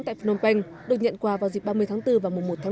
tại phnom penh được nhận quà vào dịp ba mươi tháng bốn và mùa một tháng năm